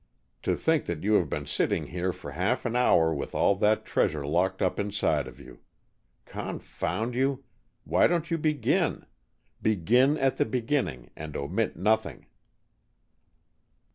To think that you have been sitting here for half an hour with all that treasure locked up inside of you! Confound you, why don't you begin? Begin at the beginning, and omit nothing."